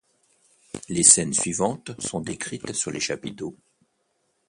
Les scènes suivantes sont décrites sur les chapiteaux.